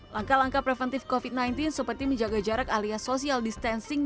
langkah langkah preventif covid sembilan belas seperti menjaga jarak alias social distancing